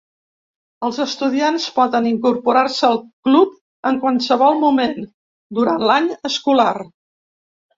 Els estudiants poden incorporar-se al club en qualsevol moment durant l"any escolar.